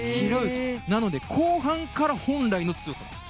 なので、後半から本来の強さです。